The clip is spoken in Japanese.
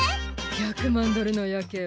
１００万ドルの夜景は何？